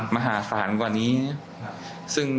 มหาศาลกว่านี้เนี่ย